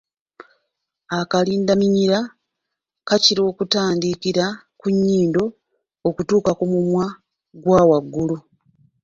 Akalindaminyira kakkirira okutandikira ku nnyindo, okutuuka ku mumwa qgwa waggulu.